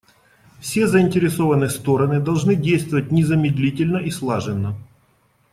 Все заинтересованные стороны должны действовать незамедлительно и слаженно.